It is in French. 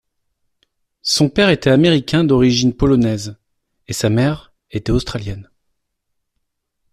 Son père était américain d'origine polonaise, et sa mère était Australienne.